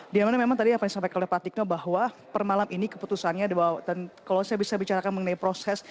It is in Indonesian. di mana memang tadi yang tadi sampai kelepatiknya bahwa per malam ini keputusannya kalau saya bisa bicarakan mengenai proses